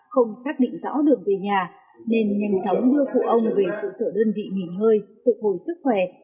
không xác định rõ đường về nhà nên nhanh chóng đưa cụ ông về trụ sở đơn vị nghỉ ngơi phục hồi sức khỏe